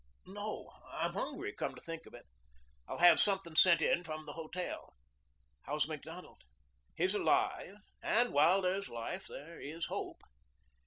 "No. I'm hungry, come to think of it." "I'll have something sent in from the hotel." "How's Macdonald?" "He's alive and while there's life there is hope."